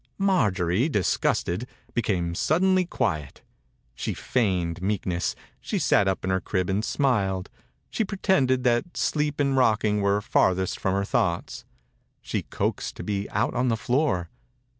Marjorie, disgusted, became suddenly quiet. She feigned meekness. She sat up in her crib and smiled. She pretended that sleep and rocking were far thest from her thoughts. She coaxed to be put on the floor.